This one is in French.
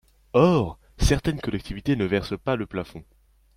Or, certaines collectivités ne versent pas le plafond.